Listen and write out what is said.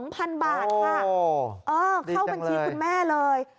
ครับเออเข้าบัญชีของคุณแม่เลย